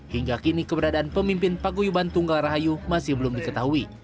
hingga kini keberadaan pemimpin paguyuban tunggal rahayu masih belum diketahui